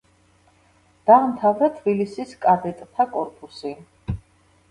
დაამთავრა თბილისის კადეტთა კორპუსი.